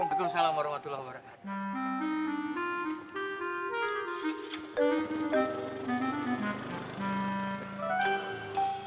waalaikumsalam warahmatullahi wabarakatuh